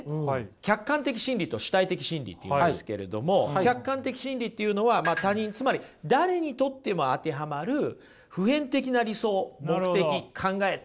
客観的真理と主体的真理っていうんですけれども客観的真理っていうのは他人つまり誰にとっても当てはまる普遍的な理想目的考えっていったものですね。